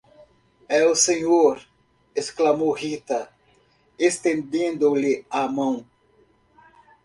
É o senhor? exclamou Rita, estendendo-lhe a mão.